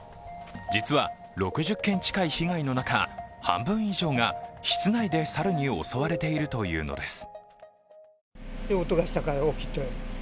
実は、６０件近い被害の中半分以上が室内で猿に襲われているというのです。